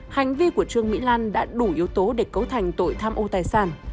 hành vi của trương mỹ lan đã đủ yếu tố để cấu thành tội tham ô tài sản